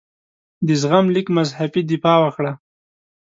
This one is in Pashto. د زغم لیک مذهبي دفاع وکړه.